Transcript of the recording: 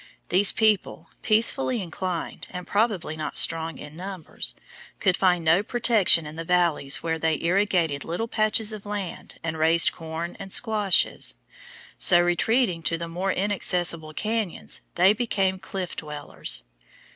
These people, peacefully inclined and probably not strong in numbers, could find no protection in the valleys where they irrigated little patches of land and raised corn and squashes; so, retreating to the more inaccessible cañons, they became cliff dwellers.